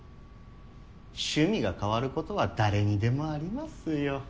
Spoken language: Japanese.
趣味が変わることは誰にでもありますよ。